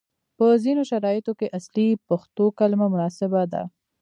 په ځینو شرایطو کې اصلي پښتو کلمه مناسبه ده،